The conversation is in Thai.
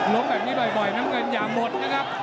แบบนี้บ่อยน้ำเงินอย่าหมดนะครับ